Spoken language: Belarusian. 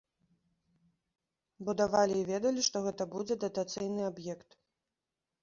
Будавалі і ведалі, што гэта будзе датацыйны аб'ект.